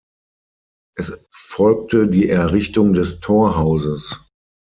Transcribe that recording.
Es folgte die Errichtung des Torhauses.